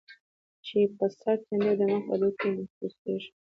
چې پۀ سر ، تندي او د مخ پۀ هډوکو کې محسوسيږي